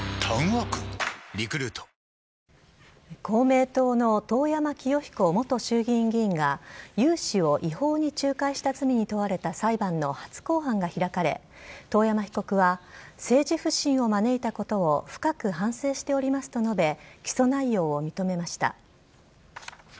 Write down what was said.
公明党の遠山清彦元衆議院議員が、融資を違法に仲介した罪に問われた裁判の初公判が開かれ、遠山被告は政治不信を招いたことを深く反省しておりますと述べ、起訴内容を認めました。